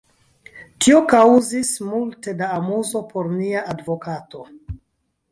Tio kaŭzis multe da amuzo por nia advokato!